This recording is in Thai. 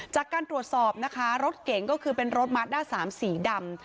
จากการตรวจสอบนะคะรถเก๋งก็คือเป็นรถมัสด้าสามสีดำ